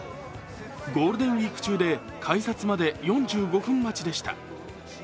ゴールデンウイーク中で改札まで４５分待ちでした。